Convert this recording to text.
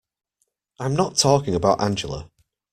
I'm not talking about Angela.